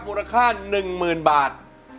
มูลค่า๑๐๐๐บาท